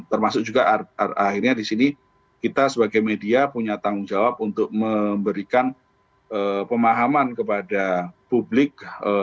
termasuk juga akhirnya di sini kita sebagai media punya tanggung jawab untuk memberikan pemahaman kepada publik